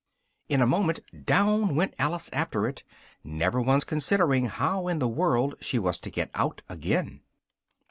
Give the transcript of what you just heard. In a moment down went Alice after it, never once considering how in the world she was to get out again.